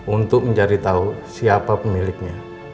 untuk mencari tahu siapa pemiliknya